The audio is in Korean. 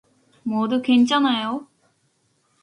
모두 괜찮아요?